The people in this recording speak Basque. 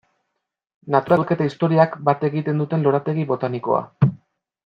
Naturak eta historiak bat egiten duten lorategi botanikoa.